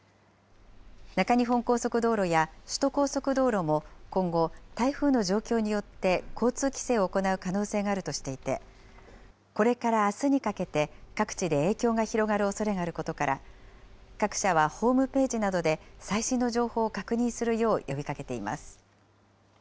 中日本高速道路や首都高速道路も、今後、台風の状況によって交通規制を行う可能性があるとしていて、これからあすにかけて各地で影響が広がるおそれがあることから、各社はホームページなどで最新の情報を確認するよう呼びかけています。